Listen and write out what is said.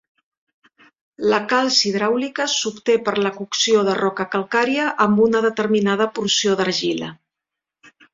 La calç hidràulica s'obté per la cocció de roca calcària amb una determinada porció d'argila.